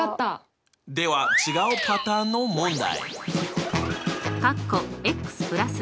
では違うパターンの問題！